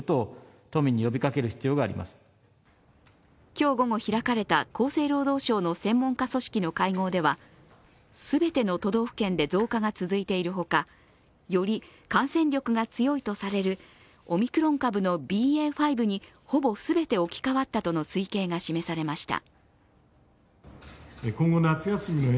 今日午後開かれた厚生労働省の専門家組織の会合では全ての都道府県で増加が続いているほかより感染力が強いとされるオミクロン株のＢＡ．５にほぼ全て置き換わったとの推計が示されました。